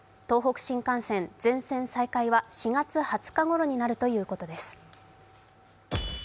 東北新幹線、全線再開は４月２０日ごろになるということです。